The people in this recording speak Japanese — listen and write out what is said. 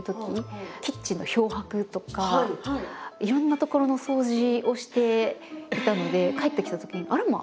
キッチンの漂白とかいろんな所の掃除をしていたので帰ってきたときに「あらま！」